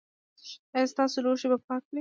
ایا ستاسو لوښي به پاک وي؟